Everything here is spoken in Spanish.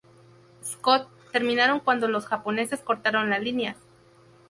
Scott, terminaron cuando los japoneses cortaron las líneas.